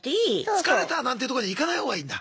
「疲れた」なんていうとこにいかない方がいいんだ？